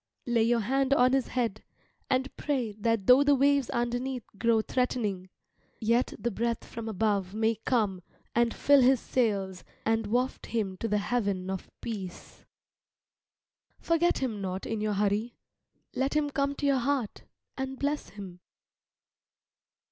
Lay your hand on his head, and pray that though the waves underneath grow threatening, yet the breath from above may come and fill his sails and waft him to the haven of peace. Forget him not in your hurry, let him come to your heart and bless him.